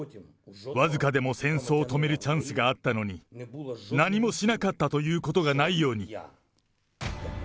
僅かでも戦争を止めるチャンスがあったのに、何もしなかったということがないように。